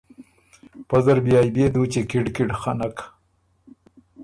پۀ زر بيے ائ بيې دُوچی کِړ کِړ خنک۔